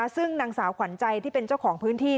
ซึ่งนางสาวขวัญใจที่เป็นเจ้าของพื้นที่